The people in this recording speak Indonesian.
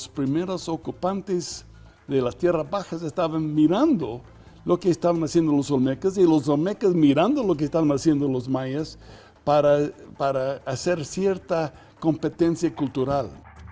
pertama tama okupan dari tierra baja menunjukkan apa yang dilakukan olmec dan olmec menunjukkan apa yang dilakukan maya untuk membuat kompetensi kultural